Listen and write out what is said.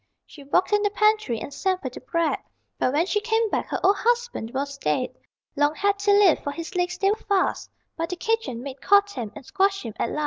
She walked in the pantry and sampled the bread, But when she came back her old husband was dead: Long had he lived, for his legs they were fast, But the kitchen maid caught him and squashed him at last.